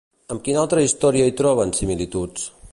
Amb quina altra història hi troben similituds?